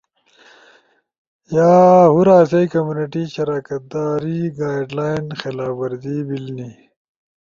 یا ہور آسئی کمیونٹی شراکت داری گائیڈلائن خلاف ورزی بیلنی